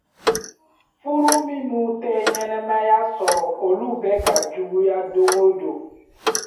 Furu minnu tɛ ɲɛnamaya sɔrɔ, olu bɛ ka juguya don o don.